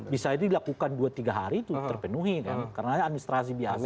bisa itu dilakukan dua tiga hari itu terpenuhi kan karena administrasi biasa